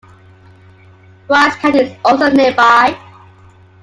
Rice County is also nearby.